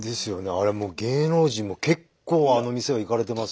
あれもう芸能人も結構あの店は行かれてますよね。